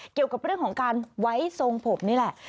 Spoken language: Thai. เกี่ยวกับเรื่องของการไว้ทรงผมนี่แหละ